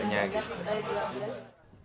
dan yang ketiga itu adalah cobaan kopi